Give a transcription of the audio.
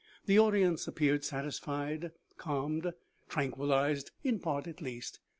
The audience appeared satisfied, calmed, tranquillized in part, at least.